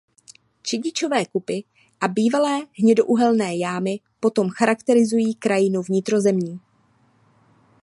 Čedičové kupy a bývalé hnědouhelné jámy potom charakterizují krajinu vnitrozemí.